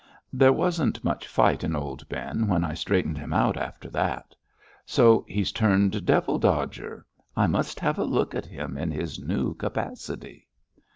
There wasn't much fight in old Ben when I straightened him out after that. So he's turned devil dodger. I must have a look at him in his new capacity.'